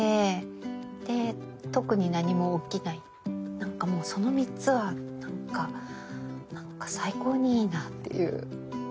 なんかもうその３つはなんかなんか最高にいいなっていう。